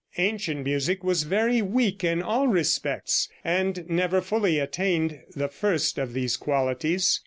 Ancient music was very weak in all respects, and never fully attained the first of these qualities.